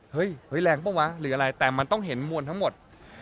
เฮ้ยแรงเปล่าวะหรืออะไรแต่มันต้องเห็นมวลทั้งหมด